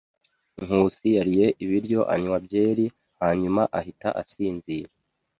Nkusi yariye ibiryo, anywa byeri, hanyuma ahita asinzira.